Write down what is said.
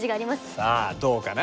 さあどうかな？